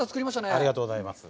ありがとうございます。